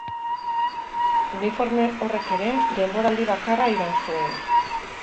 Uniforme horrek ere denboraldi bakarra iraun zuen.